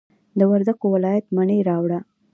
د وردګو ولایت مڼې راوړه.